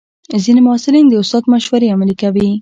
ځینې محصلین د استاد مشورې عملي کوي.